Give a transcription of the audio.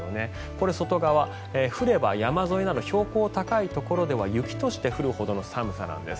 これは外側、降れば山沿いなど標高が高いところでは雪として降るほどの寒さなんです。